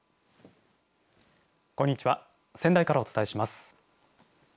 こんにちは仙台からお伝えします。